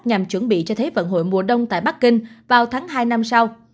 nhằm chuẩn bị cho thế vận hội mùa đông tại bắc kinh vào tháng hai năm sau